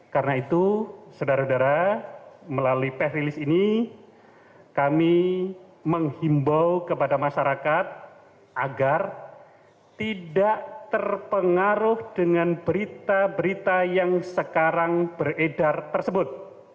karena itu sedara sedara melalui peh rilis ini kami menghimbau kepada masyarakat agar tidak terpengaruh dengan berita berita yang sekarang beredar tersebut